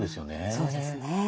そうですね。